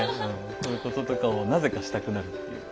こういうこととかをなぜかしたくなるっていう。